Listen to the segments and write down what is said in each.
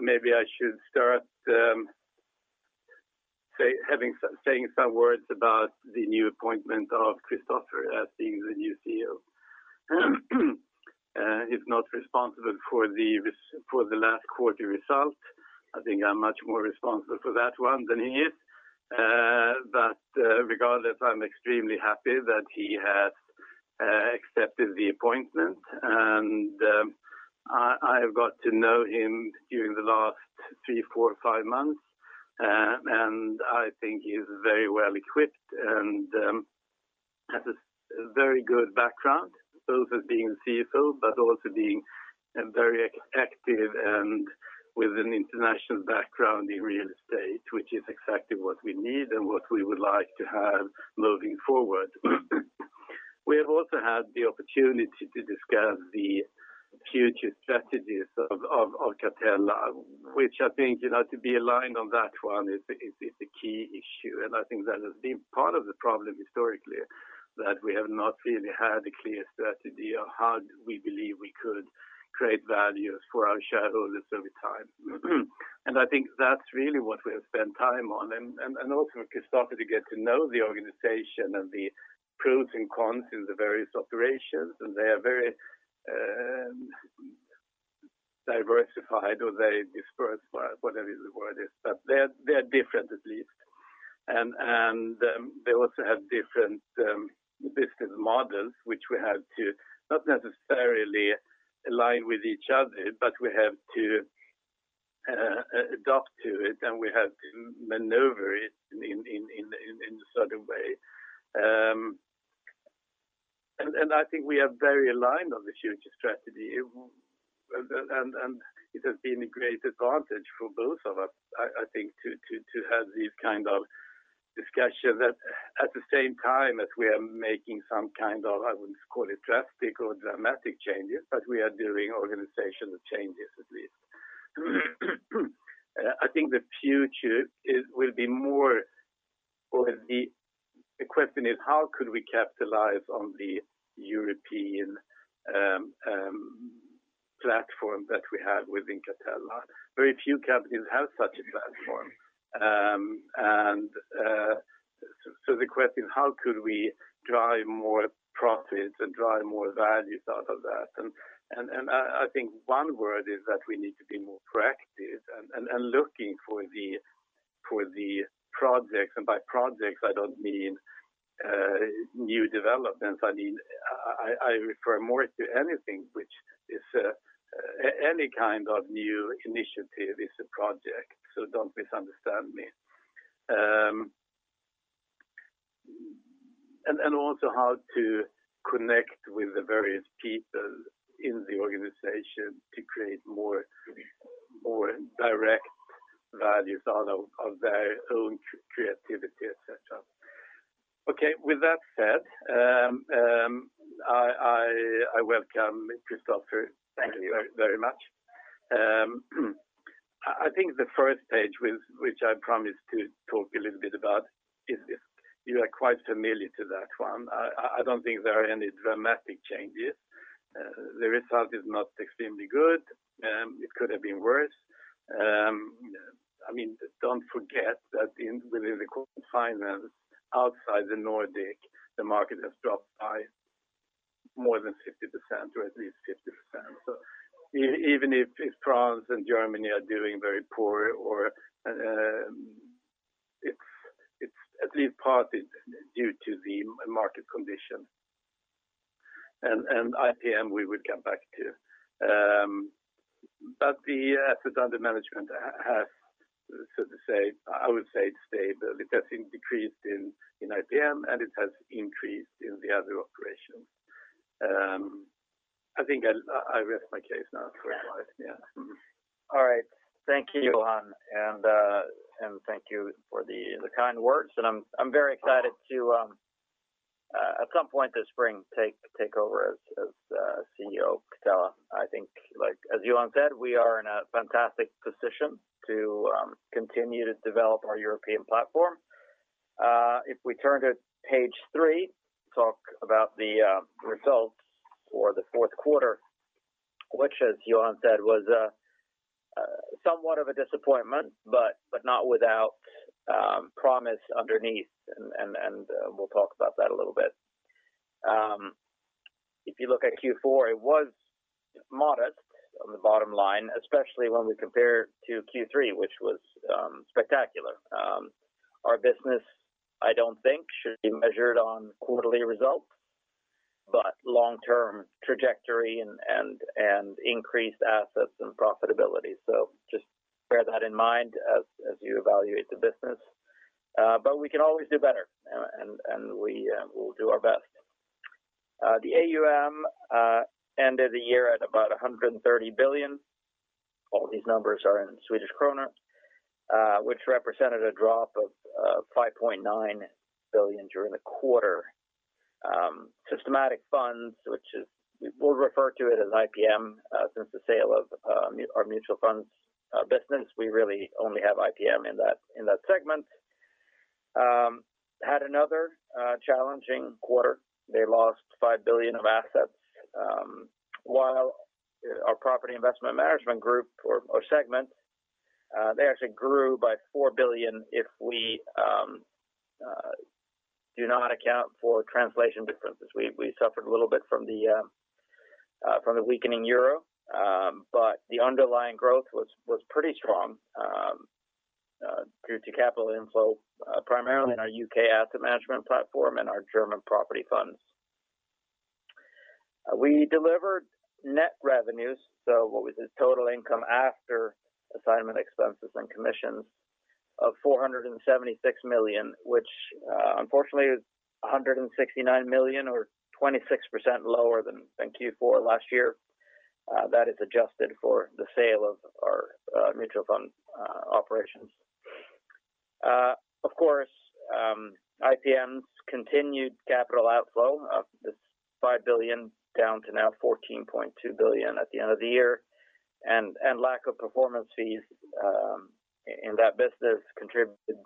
Maybe I should start saying some words about the new appointment of Christoffer as being the new CEO. He's not responsible for the last quarter results. I think I'm much more responsible for that one than he is. Regardless, I'm extremely happy that he has accepted the appointment. I've got to know him during the last three, four, five months, and I think he's very well-equipped and has a very good background, both as being a CFO but also being very active and with an international background in real estate, which is exactly what we need and what we would like to have moving forward. We have also had the opportunity to discuss the future strategies of Catella, which I think to be aligned on that one is the key issue. I think that has been part of the problem historically, that we have not really had a clear strategy of how we believe we could create values for our shareholders over time. I think that's really what we have spent time on, and also for Christoffer to get to know the organization and the pros and cons in the various operations. They are very diversified or very dispersed, whatever the word is. They're different at least, and they also have different business models, which we have to not necessarily align with each other, but we have to adapt to it, and we have to maneuver it in a certain way. I think we are very aligned on the future strategy. It has been a great advantage for both of us, I think, to have these kind of discussions at the same time as we are making some kind of, I wouldn't call it drastic or dramatic changes, but we are doing organizational changes at least. I think the future will be more of the question is how could we capitalize on the European platform that we have within Catella? Very few companies have such a platform. The question is how could we drive more profits and drive more values out of that? I think one word is that we need to be more proactive and looking for the projects. By projects, I don't mean new developments. I refer more to anything which is any kind of new initiative is a project, so don't misunderstand me. Also how to connect with the various people in the organization to create more direct values out of their own creativity, et cetera. Okay. With that said, I welcome Christoffer. Thank you very much. I think the first page which I promised to talk a little bit about is this. You are quite familiar to that one. I don't think there are any dramatic changes. The result is not extremely good. It could have been worse. Don't forget that within the Corporate Finance outside the Nordic, the market has dropped by more than 50% or at least 50%. Even if France and Germany are doing very poor, it's at least partly due to the market condition. IPM, we will come back to. The assets under management have, so to say, I would say it's stable. It has decreased in IPM, and it has increased in the other operations. I think I rest my case now for once. Yeah. All right. Thank you, Johan, and thank you for the kind words. I'm very excited to, at some point this spring, take over as CEO of Catella. I think, as Johan said, we are in a fantastic position to continue to develop our European platform. If we turn to page three, talk about the results for the fourth quarter, which, as Johan said, was somewhat of a disappointment but not without promise underneath, and we'll talk about that a little bit. If you look at Q4, it was modest on the bottom line, especially when we compare it to Q3, which was spectacular. Our business, I don't think, should be measured on quarterly results, but long-term trajectory and increased assets and profitability. Just bear that in mind as you evaluate the business. We can always do better, and we will do our best. The AUM ended the year at about 130 billion. All these numbers are in Swedish kronor, which represented a drop of 5.9 billion during the quarter. Systematic funds, which we'll refer to it as IPM since the sale of our mutual funds business, we really only have IPM in that segment. Had another challenging quarter. They lost 5 billion of assets, while our Property Investment Management group or segment, they actually grew by 4 billion if we do not account for translation differences. We suffered a little bit from the weakening euro. The underlying growth was pretty strong due to capital inflow primarily in our U.K. asset management platform and our German property funds. We delivered net revenues. What was the total income after assignment expenses and commissions of 476 million, which unfortunately is 169 million or 26% lower than Q4 last year. That is adjusted for the sale of our mutual fund operations. IPM's continued capital outflow of 5 billion down to now 14.2 billion at the end of the year, and lack of performance fees in that business contributed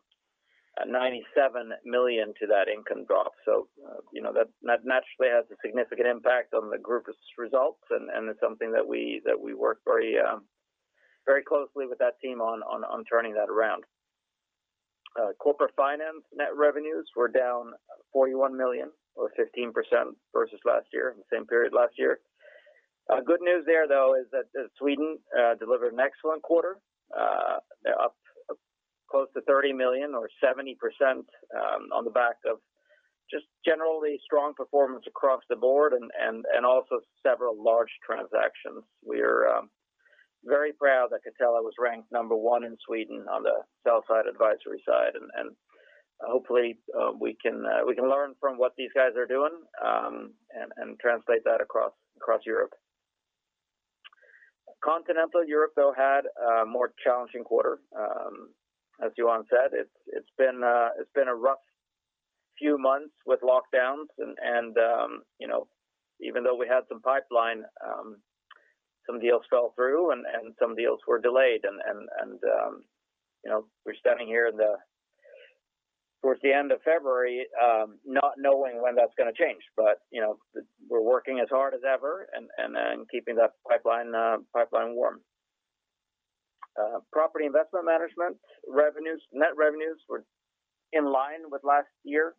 97 million to that income drop. That naturally has a significant impact on the group's results, and it's something that we work very closely with that team on turning that around. Corporate Finance net revenues were down 41 million or 15% versus last year, in the same period last year. Good news there though is that Sweden delivered an excellent quarter, up close to 30 million or 70% on the back of just generally strong performance across the board and also several large transactions. We're very proud that Catella was ranked number one in Sweden on the sell-side advisory side, hopefully we can learn from what these guys are doing, and translate that across Europe. Continental Europe, though, had a more challenging quarter. As Johan said, it's been a rough few months with lockdowns and even though we had some pipeline, some deals fell through and some deals were delayed. We're standing here towards the end of February not knowing when that's going to change. We're working as hard as ever and keeping that pipeline warm. Property Investment Management net revenues were in line with last year,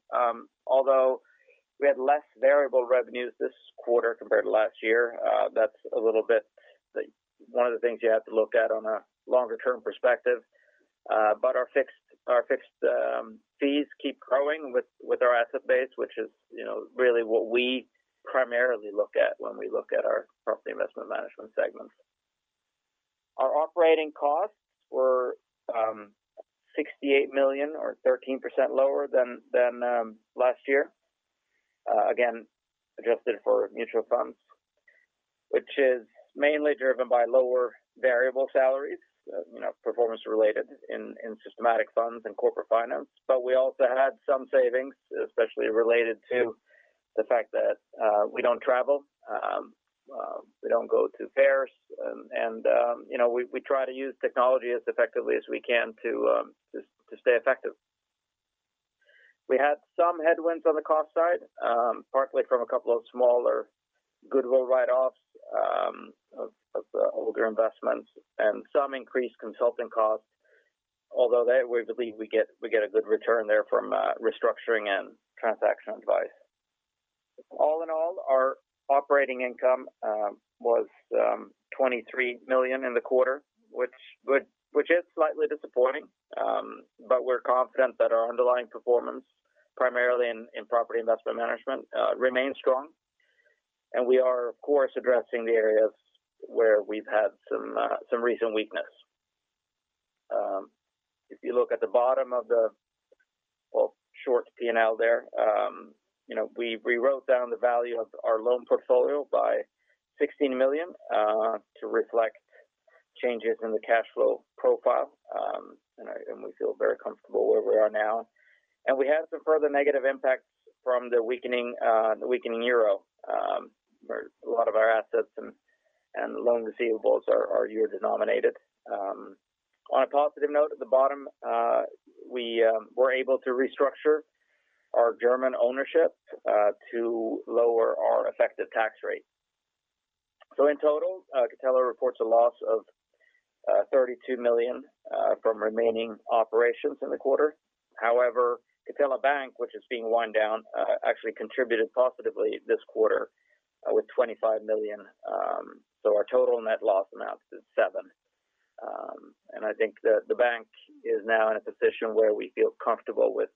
although we had less variable revenues this quarter compared to last year. That's a little bit one of the things you have to look at on a longer-term perspective. Our fixed fees keep growing with our asset base, which is really what we primarily look at when we look at our Property Investment Management segments. Our operating costs were 68 million or 13% lower than last year. Again, adjusted for mutual funds. It is mainly driven by lower variable salaries, performance related in Systematic Funds and Corporate Finance. We also had some savings, especially related to the fact that we don't travel. We don't go to Paris, and we try to use technology as effectively as we can to stay effective. We had some headwinds on the cost side, partly from a couple of smaller goodwill write-offs of older investments and some increased consulting costs. Although there, we believe we get a good return there from restructuring and transaction advice. All in all, our operating income was 23 million in the quarter, which is slightly disappointing. We're confident that our underlying performance, primarily in Property Investment Management, remains strong. We are, of course, addressing the areas where we've had some recent weakness. If you look at the bottom of the short P&L there, we wrote down the value of our loan portfolio by 16 million to reflect changes in the cash flow profile. We feel very comfortable where we are now. We had some further negative impacts from the weakening euro, where a lot of our assets and loan receivables are euro-denominated. On a positive note, at the bottom, we were able to restructure our German ownership to lower our effective tax rate. In total, Catella reports a loss of 32 million from remaining operations in the quarter. However, Catella Bank, which is being wind down, actually contributed positively this quarter with 25 million. Our total net loss amounts to 7 million. I think that the bank is now in a position where we feel comfortable with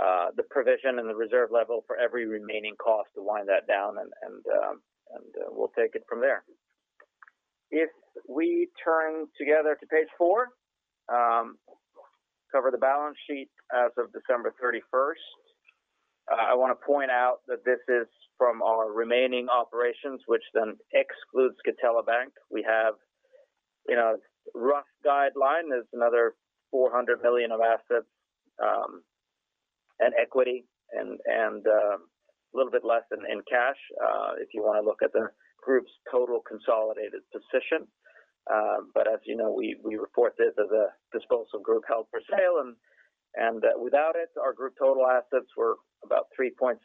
the provision and the reserve level for every remaining cost to wind that down and we'll take it from there. If we turn together to page four, cover the balance sheet as of December 31st. I want to point out that this is from our remaining operations, which then excludes Catella Bank. We have rough guideline. There's another 400 million of assets and equity, and a little bit less in cash, if you want to look at the group's total consolidated position. As you know, we report this as a disposal group held for sale, and without it, our group total assets were about 3.7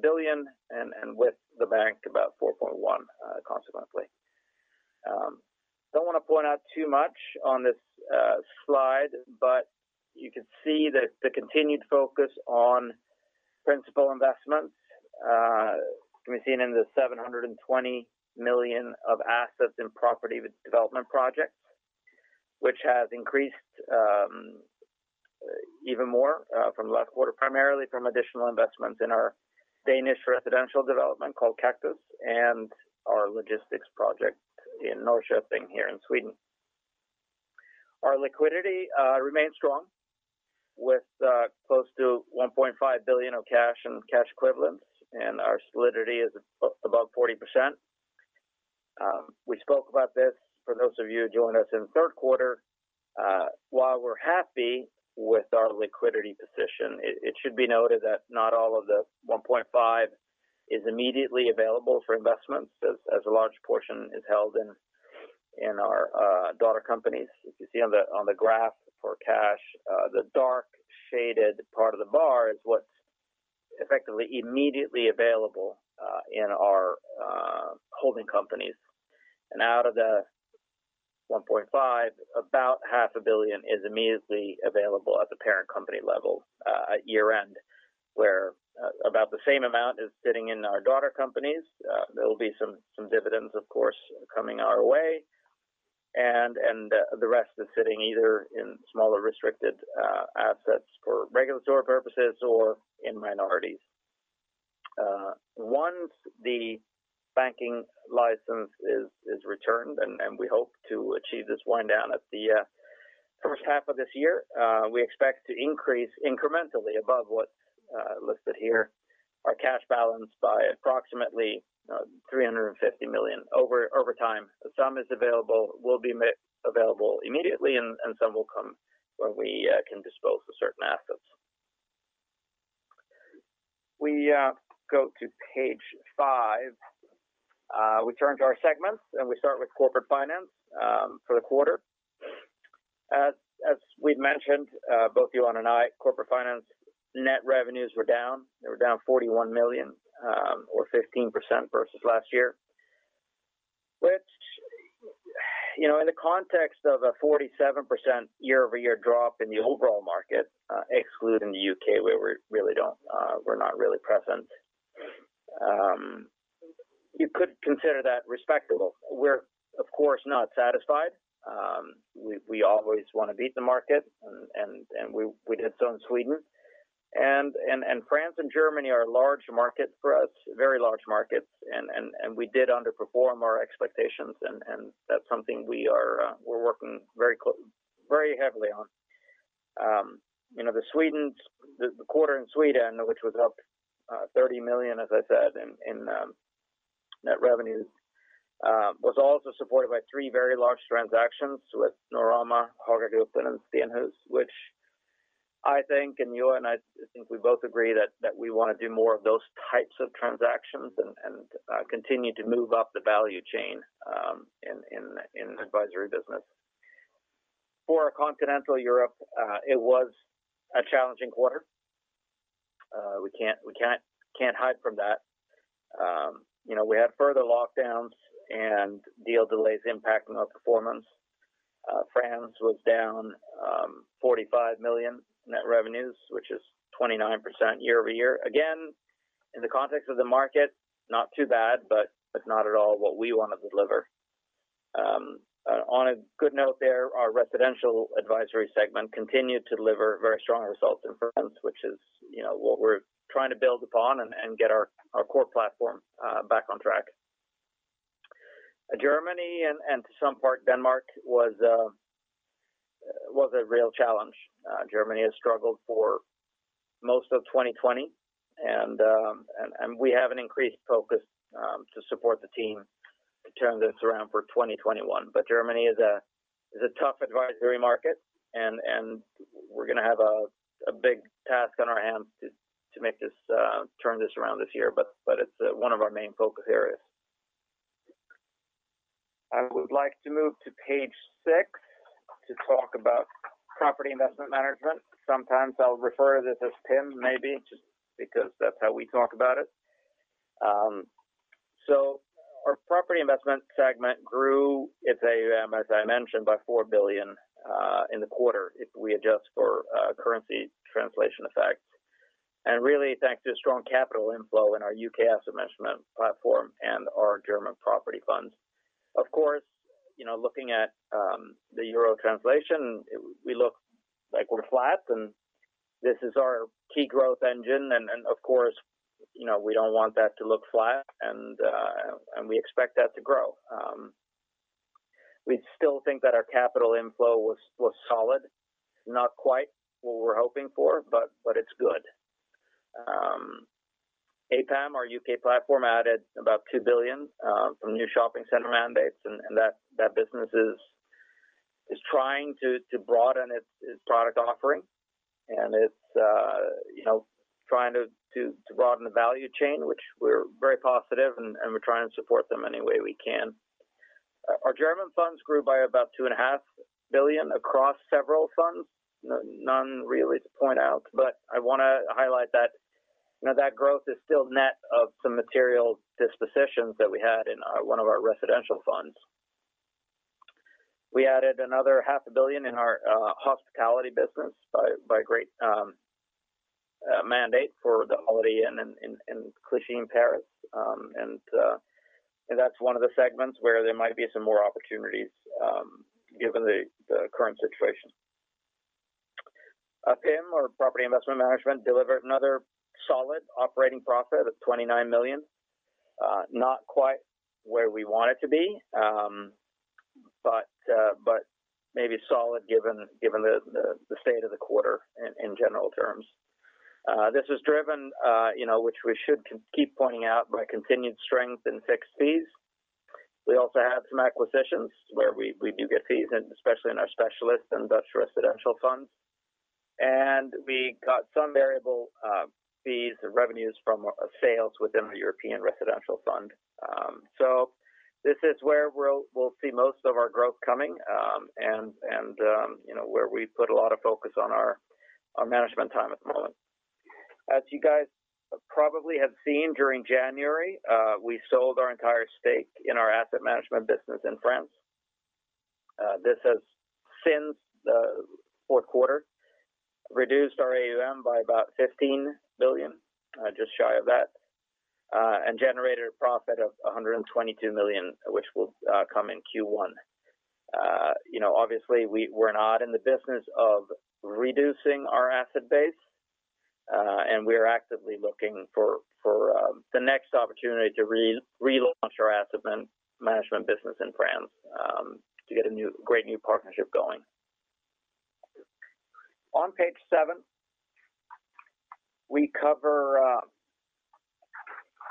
billion, and with the bank, about 4.1 billion consequently. Don't want to point out too much on this slide, you can see the continued focus on Principal Investments can be seen in the 720 million of assets in property development projects, which has increased even more from last quarter, primarily from additional investments in our Danish residential development called Kaktus, and our logistics project in Norrköping here in Sweden. Our liquidity remains strong with close to 1.5 billion of cash and cash equivalents, and our solidity is above 40%. We spoke about this, for those of you who joined us in the third quarter. While we're happy with our liquidity position, it should be noted that not all of the 1.5 is immediately available for investments as a large portion is held in our daughter companies. If you see on the graph for cash, the dark shaded part of the bar is what's effectively immediately available in our holding companies. Out of the 1.5 billion, about SEK 500 million is immediately available at the parent company level at year-end, where about the same amount is sitting in our daughter companies. There will be some dividends, of course, coming our way, and the rest is sitting either in smaller restricted assets for regulatory purposes or in minorities. Once the banking license is returned, and we hope to achieve this wind down at the first half of this year, we expect to increase incrementally above what's listed here, our cash balance by approximately 350 million over time. Some is available, will be made available immediately, and some will come when we can dispose of certain assets. We go to page five. We turn to our segments, and we start with Corporate Finance for the quarter. As we'd mentioned, both Johan and I, Corporate Finance net revenues were down. They were down 41 million or 15% versus last year, which in the context of a 47% year-over-year drop in the overall market, excluding the U.K., where we're not really present, you could consider that respectable. We're, of course, not satisfied. We always want to beat the market, and we did so in Sweden. France and Germany are large markets for us, very large markets, and we did underperform our expectations, and that's something we're working very heavily on. The quarter in Sweden, which was up 30 million, as I said, in net revenues, was also supported by three very large transactions with Norrmalm, Haga Gruppen, and Stenhus, which I think, and Johan, I think we both agree that we want to do more of those types of transactions and continue to move up the value chain in advisory business. For continental Europe, it was a challenging quarter. We can't hide from that. We had further lockdowns and deal delays impacting our performance. France was down 45 million net revenues, which is 29% year-over-year. Again, in the context of the market, not too bad, but it's not at all what we want to deliver. On a good note there, our residential advisory segment continued to deliver very strong results in France, which is what we're trying to build upon and get our core platform back on track. Germany and to some part Denmark was a real challenge. Germany has struggled for most of 2020. We have an increased focus to support the team to turn this around for 2021. Germany is a tough advisory market. We're going to have a big task on our hands to turn this around this year. It's one of our main focus areas. I would like to move to page six to talk about Property Investment Management. Sometimes I'll refer to this as PIM maybe, just because that's how we talk about it. Our property investment segment grew, as I mentioned, by 4 billion in the quarter if we adjust for currency translation effects, and really thanks to strong capital inflow in our U.K. asset management platform and our German property funds. Of course, looking at the euro translation, we look like we're flat, and this is our key growth engine, and of course, we don't want that to look flat, and we expect that to grow. We still think that our capital inflow was solid, not quite what we were hoping for, but it's good. APAM, our U.K. platform, added about 2 billion from new shopping center mandates, and that business is trying to broaden its product offering, and it's trying to broaden the value chain, which we're very positive, and we're trying to support them any way we can. Our German funds grew by about 2.5 billion across several funds. None really to point out, but I want to highlight that growth is still net of some material dispositions that we had in one of our residential funds. We added another 500 million in our hospitality business by a great mandate for the Holiday Inn in Clichy, in Paris. That's one of the segments where there might be some more opportunities given the current situation. PIM, or Property Investment Management, delivered another solid operating profit of 29 million. Not quite where we want it to be, but maybe solid given the state of the quarter in general terms. This is driven, which we should keep pointing out, by continued strength in fixed fees. We also had some acquisitions where we do get fees, and especially in our specialist and Dutch residential funds. We got some variable fees or revenues from sales within the European residential fund. This is where we'll see most of our growth coming, and where we've put a lot of focus on our management time at the moment. You guys probably have seen, during January, we sold our entire stake in our asset management business in France. This has, since the fourth quarter, reduced our AUM by about 15 billion, just shy of that, and generated a profit of 122 million, which will come in Q1. Obviously, we're not in the business of reducing our asset base, and we are actively looking for the next opportunity to relaunch our asset management business in France to get a great new partnership going. On page seven, we cover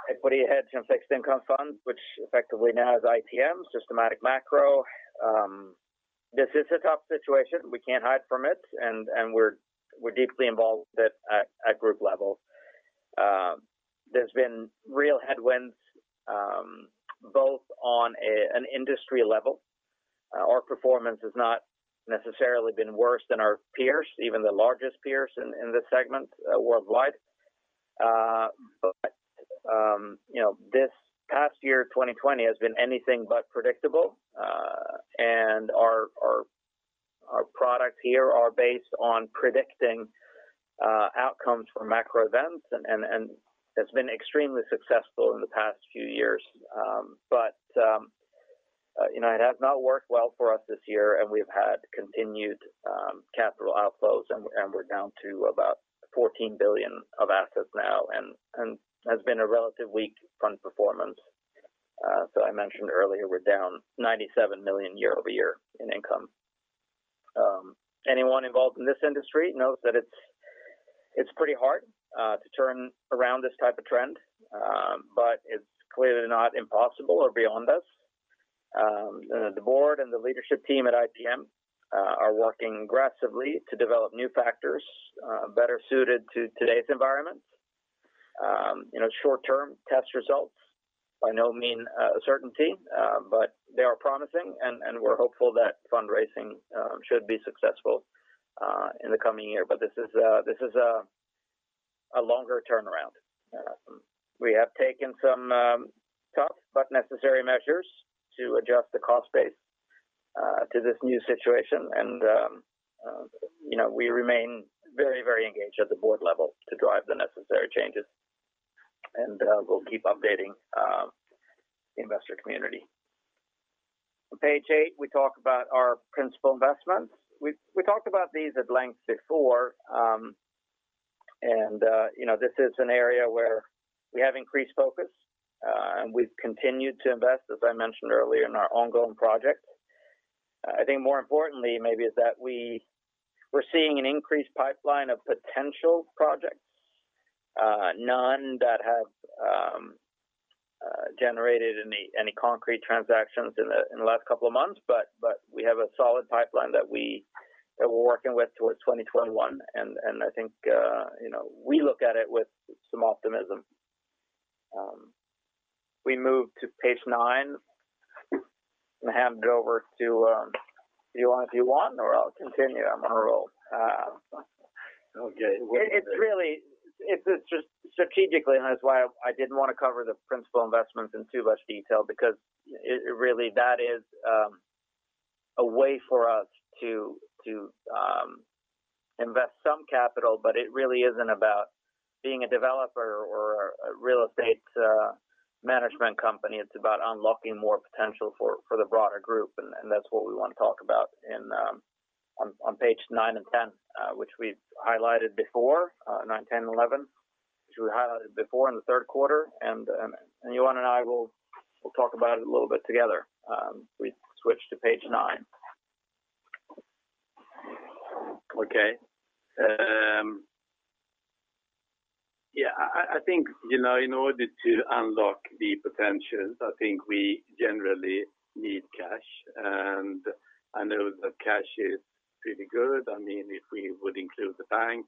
Equity Hedged and Fixed Income Funds, which effectively now is IPM Systematic Macro. This is a tough situation. We can't hide from it, and we're deeply involved with it at group level. There's been real headwinds, both on an industry level. Our performance has not necessarily been worse than our peers, even the largest peers in this segment worldwide. This past year, 2020, has been anything but predictable. Our products here are based on predicting outcomes for macro events, and has been extremely successful in the past few years. It has not worked well for us this year, and we've had continued capital outflows, and we're down to about 14 billion of assets now, and has been a relatively weak fund performance. I mentioned earlier, we're down 97 million year-over-year in income. Anyone involved in this industry knows that it's pretty hard to turn around this type of trend, but it's clearly not impossible or beyond us. The board and the leadership team at IPM are working aggressively to develop new factors better suited to today's environment. Short-term test results by no means a certainty, they are promising, and we're hopeful that fundraising should be successful in the coming year. This is a longer turnaround. We have taken some tough but necessary measures to adjust the cost base to this new situation, we remain very engaged at the board level to drive the necessary changes. We'll keep updating the investor community. On page eight, we talk about our Principal Investments. We talked about these at length before, this is an area where we have increased focus. We've continued to invest, as I mentioned earlier, in our ongoing projects. I think more importantly maybe, is that we're seeing an increased pipeline of potential projects. None that have generated any concrete transactions in the last couple of months, but we have a solid pipeline that we're working with towards 2021, and I think we look at it with some optimism. We move to page nine, and hand it over to Johan if you want, or I'll continue. I'm on a roll. Okay. It's just strategically, that's why I didn't want to cover the Principal Investments in too much detail, because really that is a way for us to invest some capital. It really isn't about being a developer or a real estate management company. It's about unlocking more potential for the broader group, that's what we want to talk about on page nine and 10, which we've highlighted before, nine, 10, 11, which we highlighted before in the third quarter. Johan and I will talk about it a little bit together. We switch to page nine. Okay. I think in order to unlock the potentials, I think we generally need cash. I know that cash is pretty good. If we would include the bank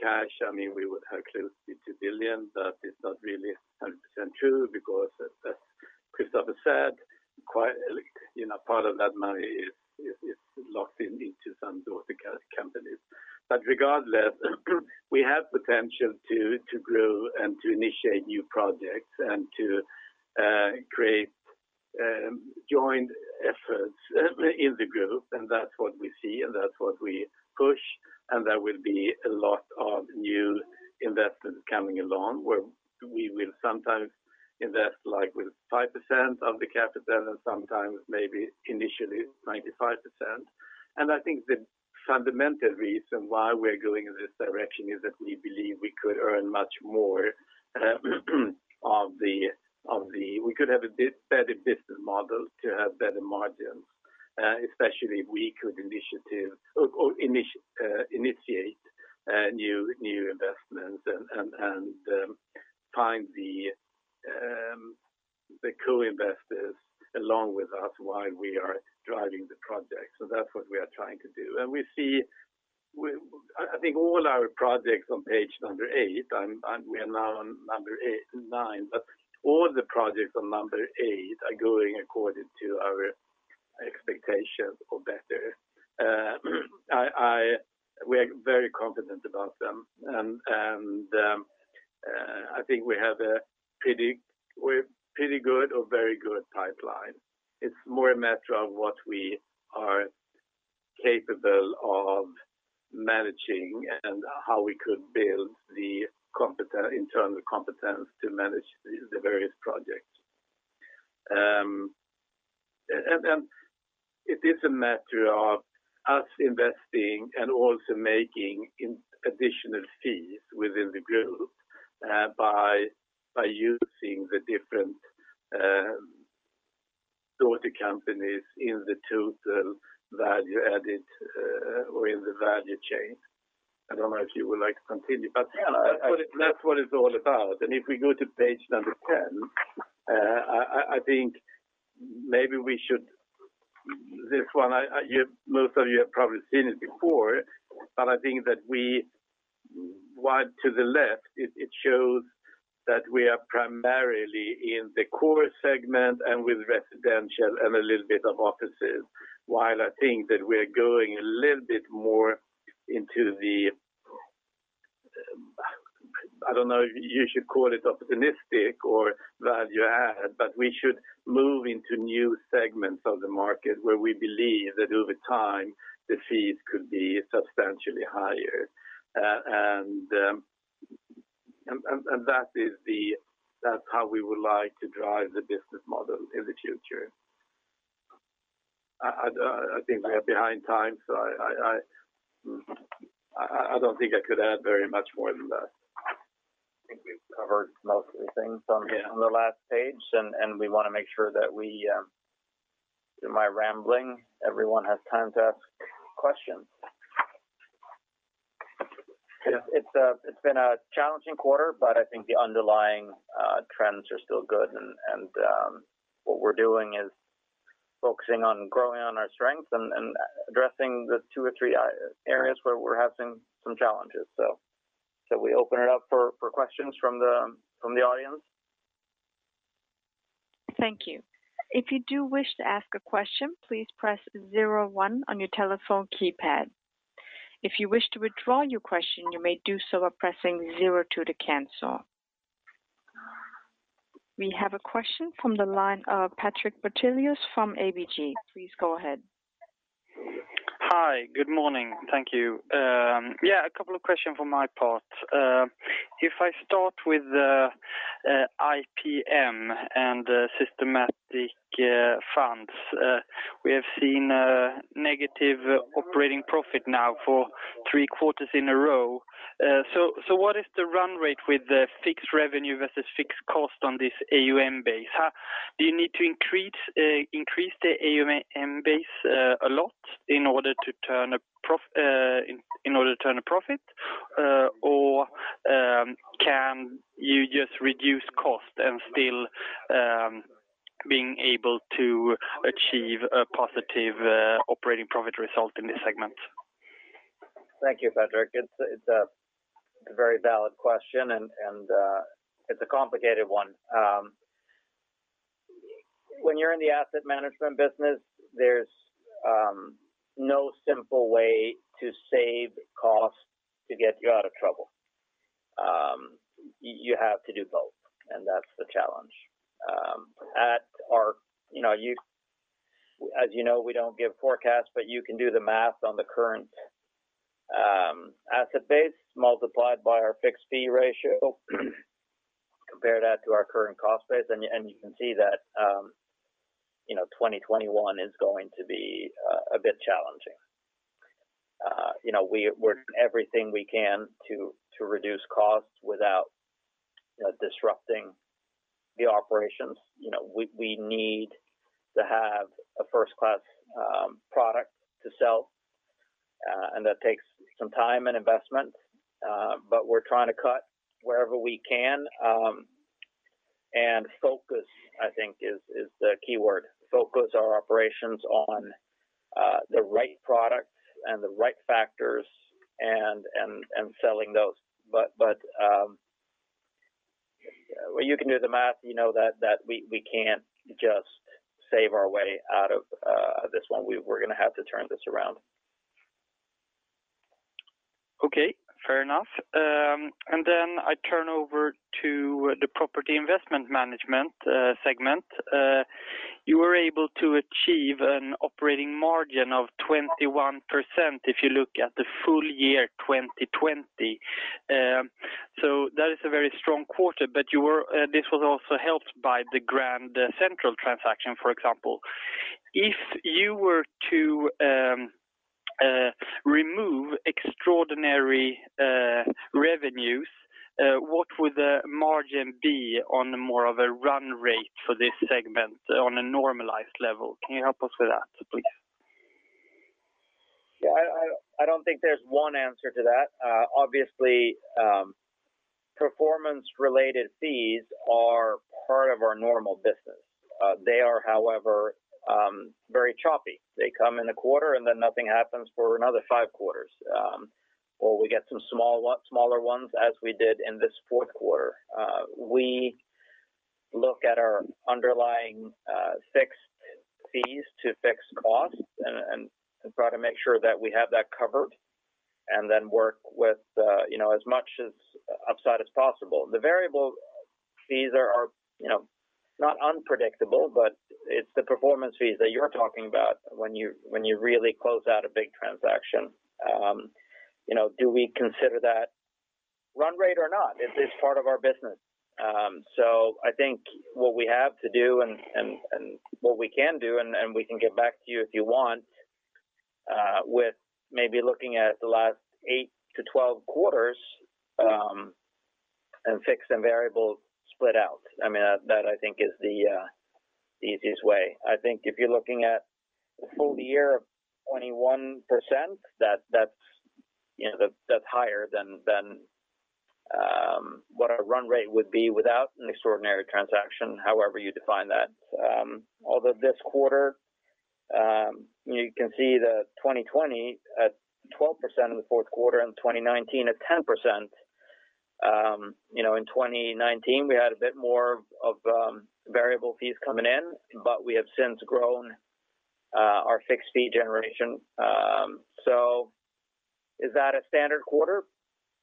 cash, we would have close to 2 billion, but it's not really 100% true because as Christoffer said, part of that money is locked into some daughter companies. Regardless, we have potential to grow and to initiate new projects, and to create joint efforts in the group, and that's what we see, and that's what we push, and there will be a lot of new investments coming along, where we will sometimes invest with 5% of the capital and sometimes maybe initially 95%. I think the fundamental reason why we're going in this direction is that we believe we could earn much more. We could have a better business model to have better margins, especially if we could initiate new investments and find the co-investors along with us while we are driving the project. That's what we are trying to do. I think all our projects on page number eight, and we are now on number nine, but all the projects on number eight are going according to our expectations or better. We are very confident about them. I think we have a pretty good or very good pipeline. It's more a matter of what we are capable of managing and how we could build the internal competence to manage the various projects. It is a matter of us investing and also making additional fees within the group by using the different daughter companies in the total value added, or in the value chain. I don't know if you would like to continue. Yeah That's what it's all about. If we go to page number 10, I think maybe This one, most of you have probably seen it before, but I think that we, wide to the left, it shows that we are primarily in the core segment and with residential and a little bit of offices, while I think that we're going a little bit more into the, I don't know if you should call it opportunistic or value add, but we should move into new segments of the market where we believe that over time the fees could be substantially higher. That's how we would like to drive the business model in the future. I think we are behind time, so I don't think I could add very much more than that. I think we've covered most of the things on the last page, and we want to make sure that we, in my rambling, everyone has time to ask questions. Yeah. It's been a challenging quarter, but I think the underlying trends are still good and what we're doing is focusing on growing on our strengths and addressing the two or three areas where we're having some challenges. We open it up for questions from the audience. Thank you. If you do wish to ask a question, please press zero one on your telephone keypad. If you wish to withdraw your question, you may do so by pressing zero to the cancel. We have a question from the line of Patrik Brattelius from ABG. Please go ahead. Hi. Good morning. Thank you. Yeah, a couple of questions from my part. If I start with the IPM and Systematic Funds, we have seen a negative operating profit now for three quarters in a row. What is the run rate with the fixed revenue versus fixed cost on this AUM base? Do you need to increase the AUM base a lot in order to turn a profit? Can you just reduce cost and still being able to achieve a positive operating profit result in this segment? Thank you, Patrik. It's a very valid question, and it's a complicated one. When you're in the asset management business, there's no simple way to save costs to get you out of trouble. You have to do both, and that's the challenge. As you know, we don't give forecasts, but you can do the math on the current asset base multiplied by our fixed fee ratio, compare that to our current cost base, and you can see that 2021 is going to be a bit challenging. We're doing everything we can to reduce costs without disrupting the operations. We need to have a first-class product to sell. That takes some time and investment, but we're trying to cut wherever we can. Focus, I think is the keyword. Focus our operations on the right products and the right factors and selling those. You can do the math. You know that we can't just save our way out of this one. We're going to have to turn this around. Okay, fair enough. I turn over to the Property Investment Management segment. You were able to achieve an operating margin of 21% if you look at the full year 2020. That is a very strong quarter, but this was also helped by the Grand Central transaction, for example. If you were to remove extraordinary revenues, what would the margin be on more of a run rate for this segment on a normalized level? Can you help us with that, please? Yeah, I don't think there's one answer to that. Obviously, performance-related fees are part of our normal business. They are however very choppy. They come in a quarter and then nothing happens for another five quarters. We get some smaller ones as we did in this fourth quarter. We look at our underlying fixed fees to fixed costs and try to make sure that we have that covered and then work with as much as upside as possible. The variable fees are not unpredictable, but it's the performance fees that you're talking about when you really close out a big transaction. Do we consider that run rate or not? Is this part of our business? I think what we have to do and what we can do, and we can get back to you if you want, with maybe looking at the last 8-12 quarters, and fix the variable split out. That I think is the easiest way. I think if you're looking at a full year of 21%, that's higher than what our run rate would be without an extraordinary transaction, however you define that. Although this quarter, you can see the 2020 at 12% in the fourth quarter and 2019 at 10%. In 2019, we had a bit more of variable fees coming in, but we have since grown our fixed fee generation. Is that a standard quarter?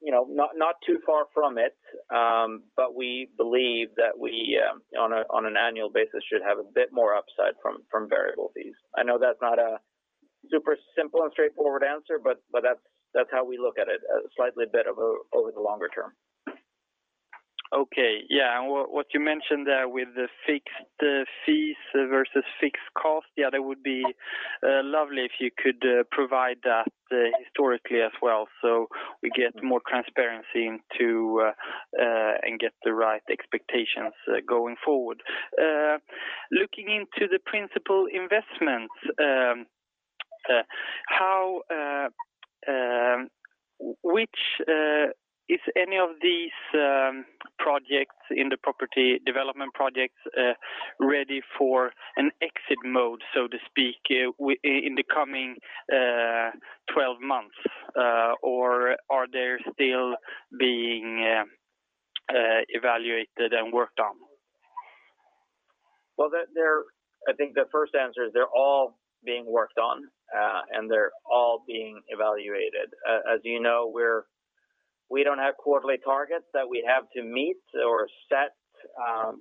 Not too far from it, but we believe that we on an annual basis should have a bit more upside from variable fees. I know that's not a super simple and straightforward answer, but that's how we look at it, slightly a bit over the longer term. Okay. Yeah, what you mentioned there with the fixed fees versus fixed cost, yeah, that would be lovely if you could provide that historically as well, so we get more transparency and get the right expectations going forward. Looking into the Principal Investments, which if any of these projects in the property development projects ready for an exit mode, so to speak, in the coming 12 months or are they still being evaluated and worked on? Well, I think the first answer is they're all being worked on, and they're all being evaluated. As you know, we don't have quarterly targets that we have to meet or set.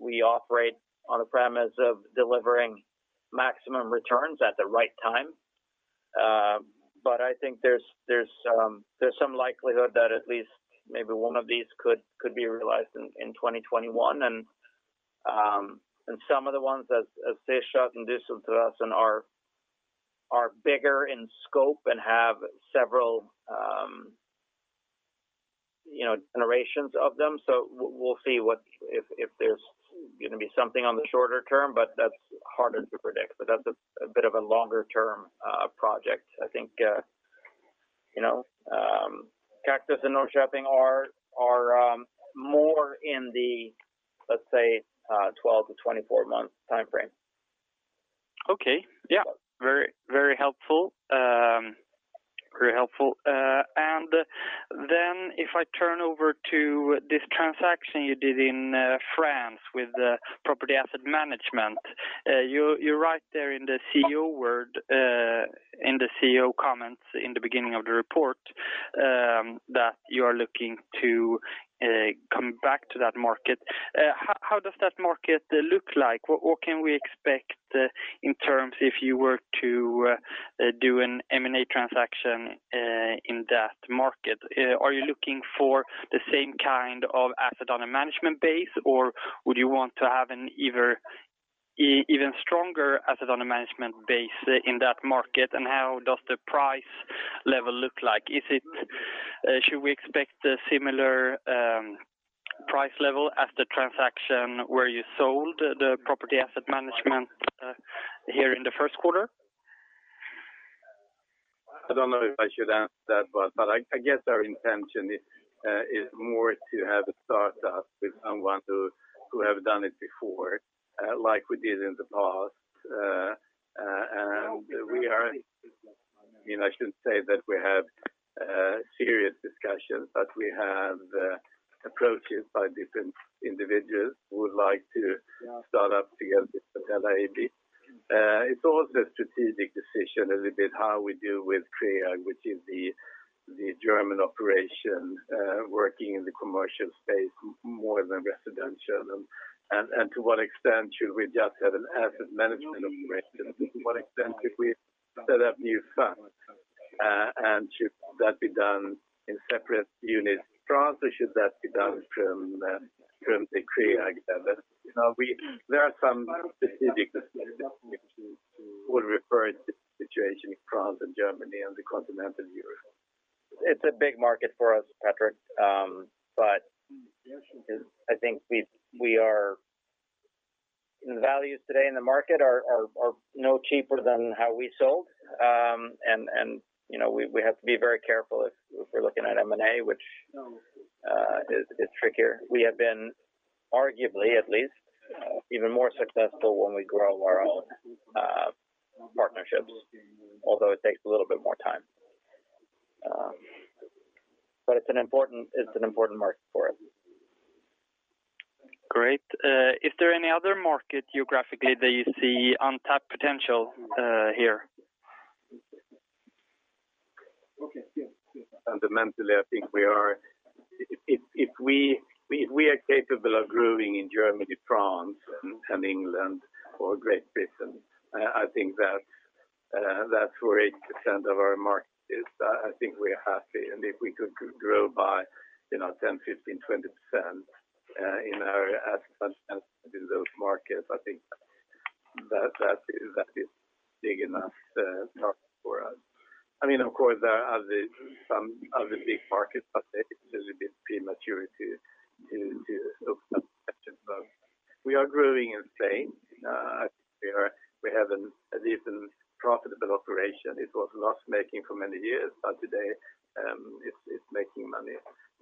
We operate on a premise of delivering maximum returns at the right time. I think there's some likelihood that at least maybe one of these could be realized in 2021. Some of the ones at Sachsen and Düsseldorf are bigger in scope and have several generations of them. We'll see if there's going to be something on the shorter term, but that's harder to predict. That's a bit of a longer-term project, I think. Kaktus and Norrköping are more in the, let's say, 12-24 month timeframe. Okay. Yeah, very helpful. Then if I turn over to this transaction you did in France with the Property Asset Management. You write there in the CEO comments in the beginning of the report, that you are looking to come back to that market. How does that market look like? What can we expect in terms if you were to do an M&A transaction in that market? Are you looking for the same kind of asset on a management base, or would you want to have an even stronger asset on a management base in that market? How does the price level look like? Should we expect similar price level as the transaction where you sold the Property Asset Management here in the first quarter? I don't know if I should answer that, but I guess our intention is more to have a startup with someone who have done it before like we did in the past. I shouldn't say that we have serious discussions, but we have approaches by different individuals who would like to start up together with Catella AB. It's also a strategic decision a little bit how we deal with CREAG, which is the German operation working in the commercial space more than residential, and to what extent should we just have an asset management operation, to what extent should we set up new funds, and should that be done in separate units in France, or should that be done from the CREAG end? There are some strategic decisions which would refer to the situation in France and Germany and the continental Europe. It's a big market for us, Patrik, I think the values today in the market are no cheaper than how we sold. We have to be very careful if we're looking at M&A, which is trickier. We have been arguably, at least, even more successful when we grow our own partnerships, although it takes a little bit more time. It's an important market for us. Great. Is there any other market geographically that you see untapped potential here? Fundamentally, if we are capable of growing in Germany, France, and England or Great Britain, I think that for 80% of our market is I think we are happy. If we could grow by 10%, 15%, 20% in our asset management in those markets, I think that is big enough target for us. Of course, there are some other big markets, but it's a little bit premature to look at that. We are growing in Spain. I think we have a decent profitable operation. It was loss-making for many years, but today it's making money.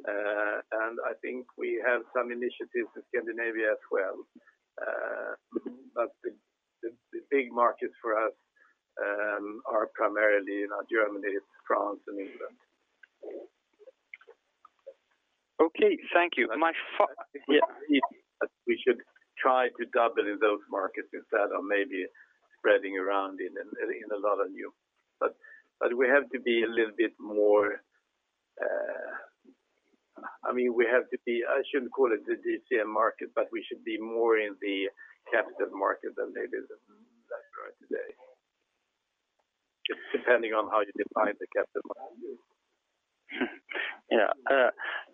I think we have some initiatives in Scandinavia as well. The big markets for us are primarily Germany, France, and England. Okay. Thank you. We should try to double in those markets instead of maybe spreading around in a lot of new. We have to be a little bit more I shouldn't call it the DCM market, but we should be more in the capital market than they did that right today, depending on how you define the capital market. Yeah.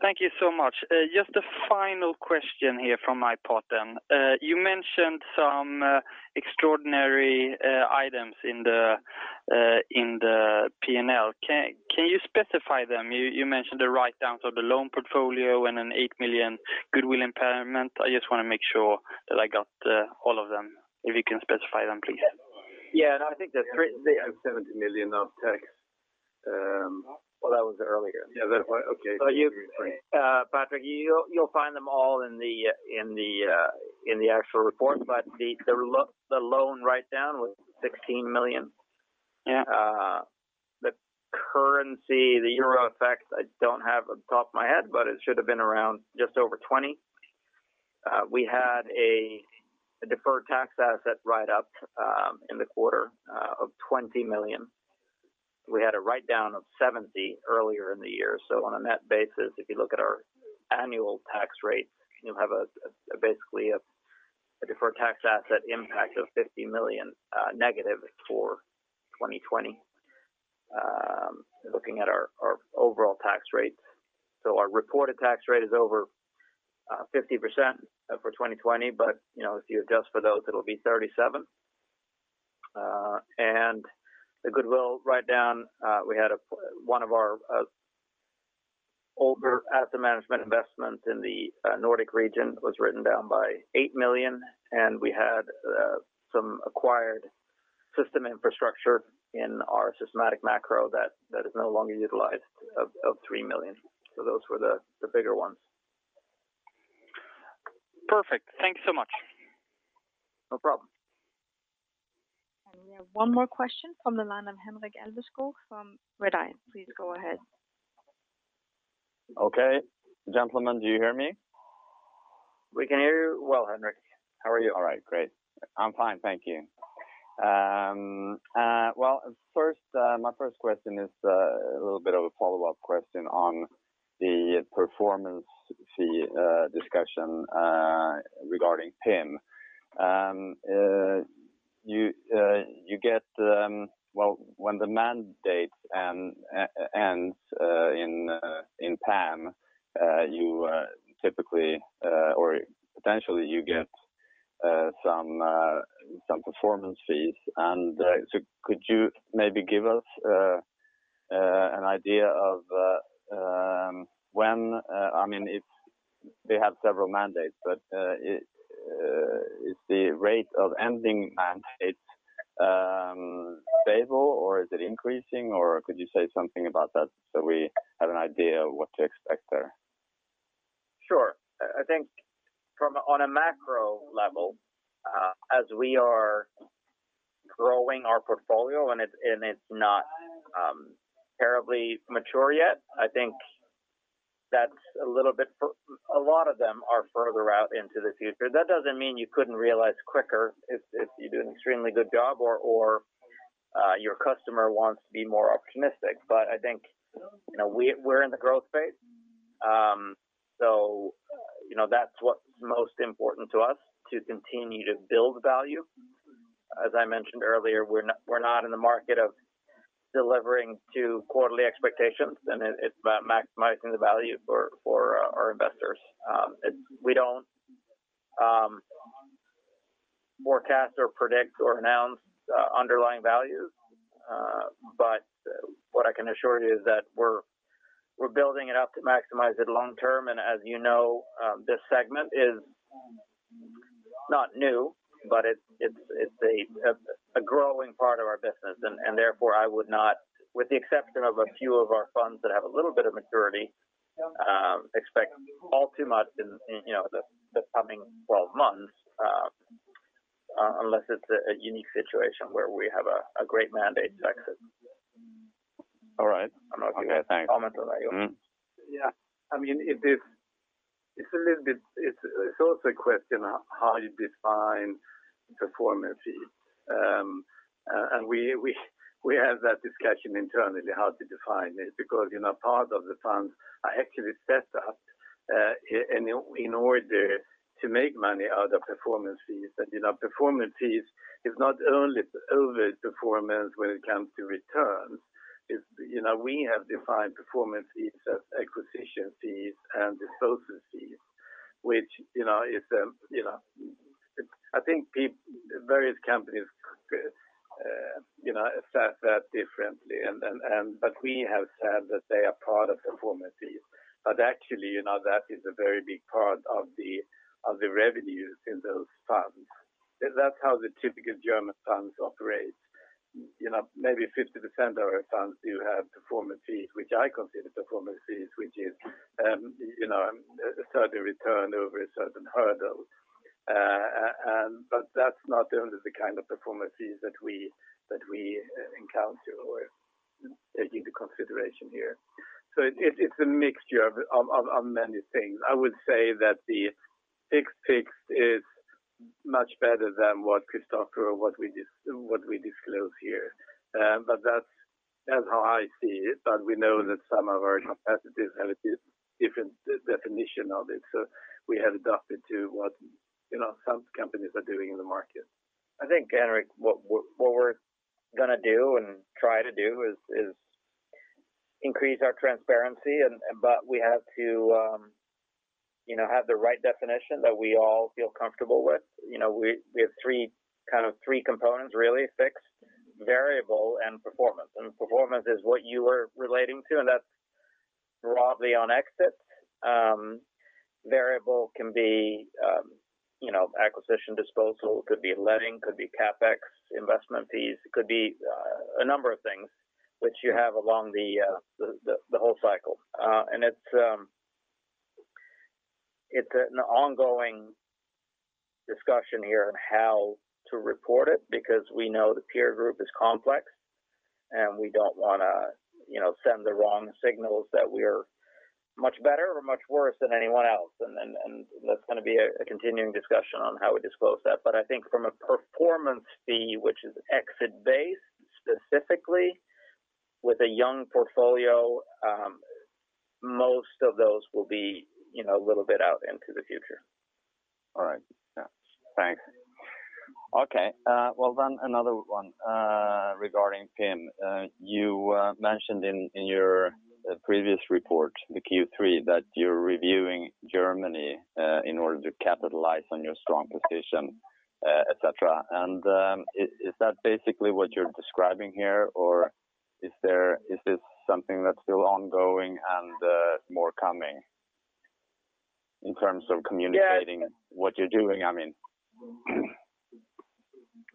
Thank you so much. Just a final question here from my part then. You mentioned some extraordinary items in the P&L. Can you specify them? You mentioned the write-downs of the loan portfolio and a 8 million goodwill impairment. I just want to make sure that I got all of them. If you can specify them, please. Yeah. No, I think there are three- 70 million of tax. Well, that was earlier. Yeah. That's right. Okay. Patrik, you'll find them all in the actual report, but the loan write-down was 16 million. Yeah. The currency, the euro effects, I don't have on the top of my head, but it should have been around just over 20 million. We had a deferred tax asset write-up in the quarter of 20 million. We had a write-down of 70 million earlier in the year. On a net basis, if you look at our annual tax rate, you have basically a deferred tax asset impact of 50 million negative for 2020, looking at our overall tax rates. Our reported tax rate is over 50% for 2020, but if you adjust for those, it'll be 37%. The goodwill write-down, we had one of our older asset management investments in the Nordic region was written down by 8 million, and we had some acquired system infrastructure in our IPM Systematic Macro that is no longer utilized of 3 million. Those were the bigger ones. Perfect. Thanks so much. No problem. We have one more question from the line of Henrik Alveskog from Redeye. Please go ahead. Okay. Gentlemen, do you hear me? We can hear you well, Henrik. How are you? All right, great. I'm fine, thank you. My first question is a little bit of a follow-up question on the performance fee discussion regarding PIM. When the mandate ends in APAM, typically or potentially you get some performance fees. Could you maybe give us an idea of when They have several mandates, but is the rate of ending mandates stable, or is it increasing? Could you say something about that so we have an idea of what to expect there? Sure. I think on a macro level, as we are growing our portfolio, and it's not terribly mature yet, I think a lot of them are further out into the future. That doesn't mean you couldn't realize quicker if you do an extremely good job or your customer wants to be more optimistic. I think we're in the growth phase, that's what's most important to us, to continue to build value. As I mentioned earlier, we're not in the market of delivering to quarterly expectations, it's about maximizing the value for our investors. We don't forecast or predict or announce underlying values. What I can assure you is that we're building it up to maximize it long term, as you know, this segment is not new, it's a growing part of our business. Therefore, I would not, with the exception of a few of our funds that have a little bit of maturity, expect all too much in the coming 12 months, unless it's a unique situation where we have a great mandate to exit. All right. Okay, thanks. I don't know if you have any comment on that, Johan. Yeah. It's also a question how you define performance fee. We have that discussion internally, how to define it, because part of the funds are actually set up in order to make money out of performance fees. Performance fees is not only over performance when it comes to returns. We have defined performance fees as acquisition fees and disposal fees, which I think various companies assess that differently. We have said that they are part of performance fees. Actually, that is a very big part of the revenues in those funds. That's how the typical German funds operate. Maybe 50% of our funds do have performance fees, which I consider performance fees, which is a certain return over a certain hurdle. That's not only the kind of performance fees that we encounter or take into consideration here. It's a mixture of many things. I would say that the fixed is much better than what Christoffer or what we disclose here. That's how I see it, but we know that some of our competitors have a different definition of it. We have adapted to what some companies are doing in the market. I think, Henrik, what we're going to do and try to do is increase our transparency, but we have to have the right definition that we all feel comfortable with. We have three components, really, fixed, variable, and performance. Performance is what you were relating to, and that's broadly on exit. Variable can be acquisition, disposal, could be lending, could be CapEx, investment fees. It could be a number of things which you have along the whole cycle. It's an ongoing discussion here on how to report it, because we know the peer group is complex, and we don't want to send the wrong signals that we're much better or much worse than anyone else. That's going to be a continuing discussion on how we disclose that. I think from a performance fee, which is exit-based, specifically with a young portfolio, most of those will be a little bit out into the future. All right. Yeah. Thanks. Okay. Well, another one regarding PIM. You mentioned in your previous report, the Q3, that you're reviewing Germany in order to capitalize on your strong position, et cetera. Is that basically what you're describing here, or is this something that's still ongoing and more coming in terms of communicating what you're doing?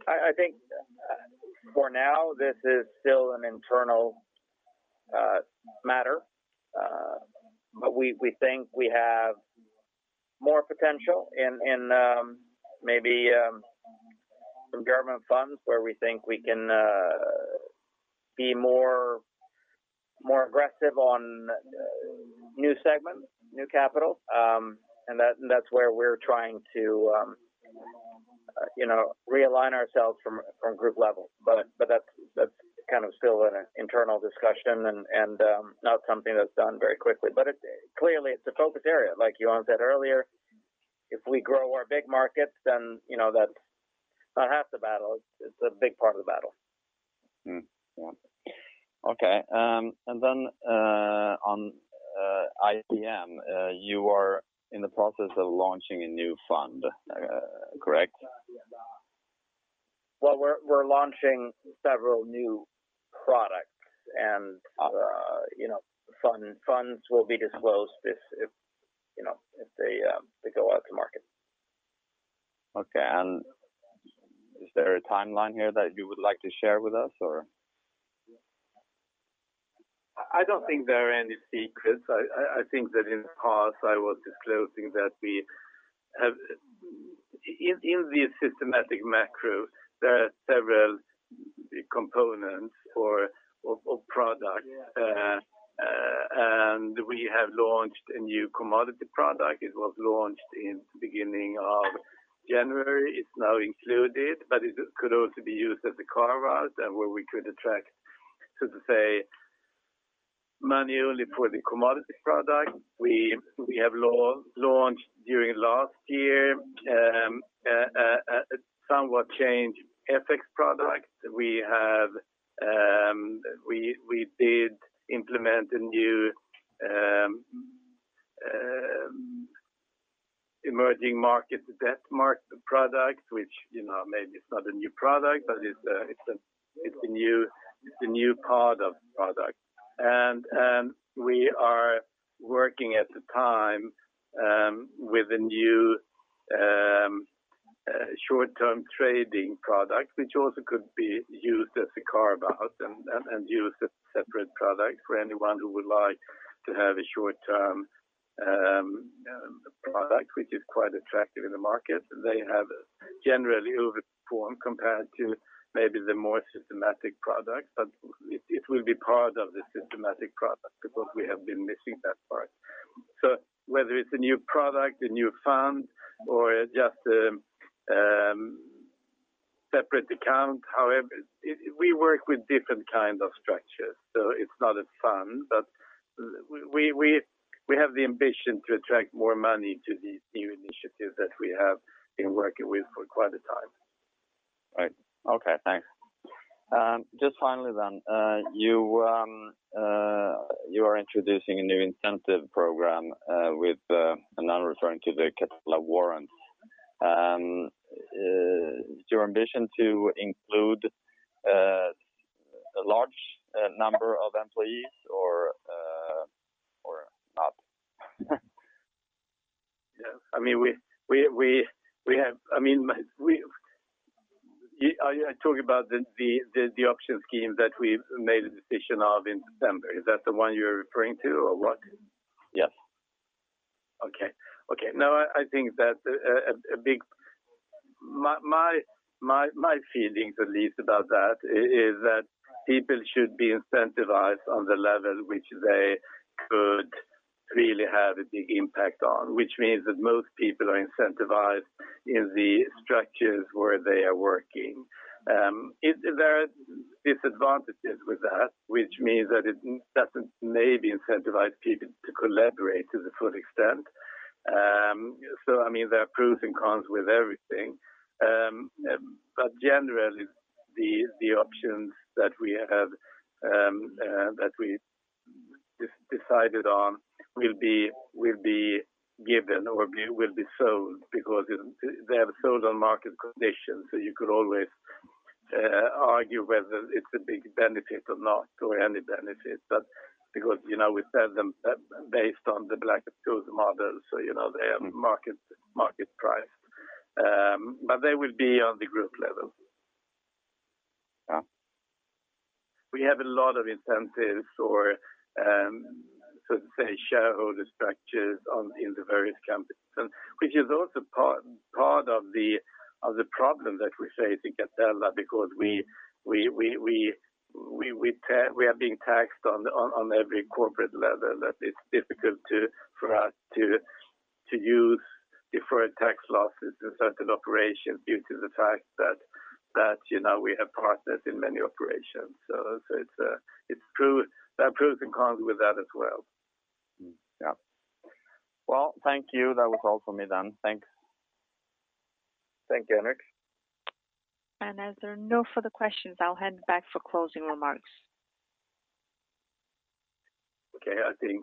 I think for now, this is still an internal matter. We think we have more potential in maybe some German funds where we think we can be more aggressive on new segments, new capital. That's where we're trying to realign ourselves from group level. That's still an internal discussion and not something that's done very quickly. Clearly, it's a focus area. Like Johan said earlier, if we grow our big markets, that's not half the battle. It's a big part of the battle. Yeah. Okay. On IPM, you are in the process of launching a new fund, correct? Well, we're launching several new products. Okay funds will be disclosed if they go out to market. Okay. Is there a timeline here that you would like to share with us, or? I don't think there are any secrets. I think that in the past, I was disclosing that we have in the Systematic Macro, there are several components or products. Yeah. We have launched a new commodity product. It was launched in the beginning of January. It's now included, but it could also be used as a carve-out and where we could attract, so to say, money only for the commodity product. We have launched during last year, a somewhat changed FX product. We did implement a new emerging market, debt market product, which maybe it's not a new product, but it's a new part of the product. We are working at the time with a new short-term trading product, which also could be used as a carve-out and used as a separate product for anyone who would like to have a short-term product, which is quite attractive in the market. They have generally over-performed compared to maybe the more systematic products, but it will be part of the systematic product because we have been missing that part. Whether it's a new product, a new fund, or just a separate account, however, we work with different kinds of structures, so it's not a fund, but we have the ambition to attract more money to these new initiatives that we have been working with for quite a time. Right. Okay, thanks. Just finally, you are introducing a new incentive program with, and I'm referring to the Catella warrants. Is it your ambition to include a large number of employees or not? Yeah. Are you talking about the option scheme that we made a decision of in December? Is that the one you're referring to, or what? Yes. Okay. No, I think that my feelings at least about that is that people should be incentivized on the level which they could really have a big impact on, which means that most people are incentivized in the structures where they are working. There are disadvantages with that, which means that it doesn't maybe incentivize people to collaborate to the full extent. There are pros and cons with everything. Generally, the options that we have, that we decided on will be given or will be sold because they are sold on market conditions. You could always argue whether it's a big benefit or not, or any benefit, but because we sell them based on the Black-Scholes model, so they are market priced. They will be on the group level. Yeah. We have a lot of incentives for, so to say, shareholder structures in the various companies, which is also part of the problem that we face in Catella because we are being taxed on every corporate level that it's difficult for us to use deferred tax losses in certain operations due to the fact that we have partners in many operations. It's true. There are pros and cons with that as well. Yeah. Well, thank you. That was all for me then. Thanks. Thank you, Henrik. As there are no further questions, I'll hand back for closing remarks. Okay. As we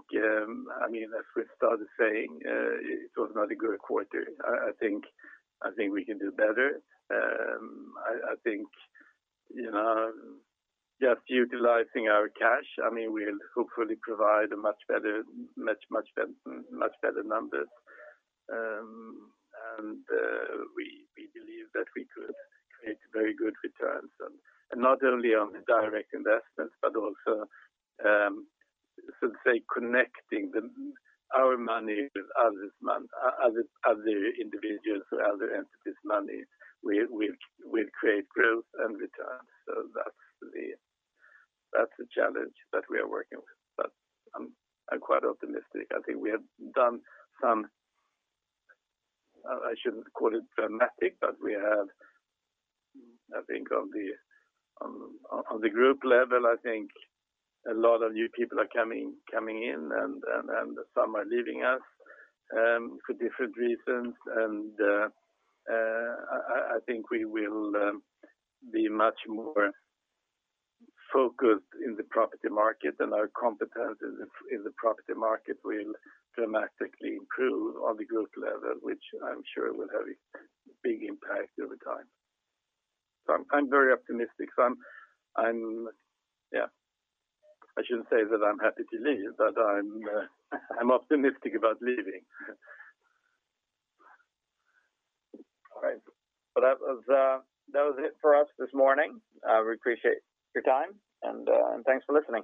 started saying, it was not a good quarter. I think we can do better. I think just utilizing our cash, we'll hopefully provide much better numbers. We believe that we could create very good returns, and not only on direct investments but also, so to say, connecting our money with other individuals or other entities' money will create growth and returns. That's the challenge that we are working with. I'm quite optimistic. I think we have done some, I shouldn't call it dramatic, but we have, on the group level, I think a lot of new people are coming in and some are leaving us for different reasons, and I think we will be much more focused in the property market and our competence in the property market will dramatically improve on the group level, which I'm sure will have a big impact over time. I'm very optimistic. I shouldn't say that I'm happy to leave, but I'm optimistic about leaving. All right. That was it for us this morning. We appreciate your time, and thanks for listening.